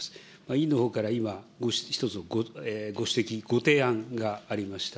委員のほうから今、ご指摘、ご提案がありました。